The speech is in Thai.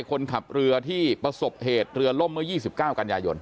คนขับเรือที่ประสบเหตุเรือล่มเมื่อ๒๙กันยายน